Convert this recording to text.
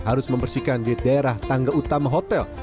harus membersihkan di daerah tangga utama hotel